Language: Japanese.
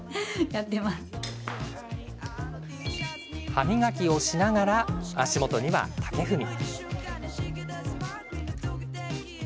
歯磨きをしながら足元には竹踏み。